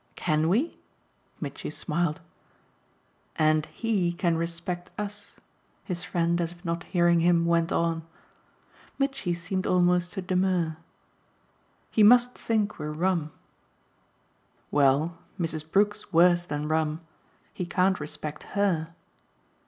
"CAN we?" Mitchy smiled. "And HE can respect us," his friend, as if not hearing him, went on. Mitchy seemed almost to demur. "He must think we're 'rum.'" "Well, Mrs. Brook's worse than rum. He can't respect HER."